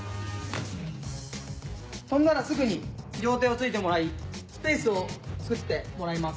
跳んだらすぐに両手をついてもらいスペースを作ってもらいます。